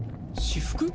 私服？